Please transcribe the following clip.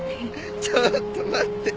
ちょっと待って。